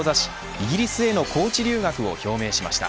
イギリスへのコーチ留学を表明しました。